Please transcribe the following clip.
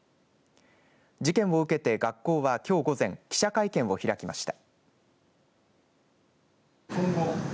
事件を受けて学校はきょう午前記者会見を開きました。